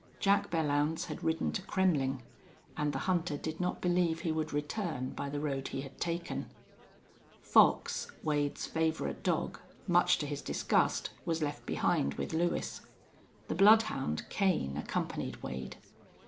Jack Belllounds had ridden to Kremmling, and the hunter did not believe he would return by the road he had taken. Fox, Wade's favorite dog, much to his disgust, was left behind with Lewis. The bloodhound, Kane, accompanied Wade.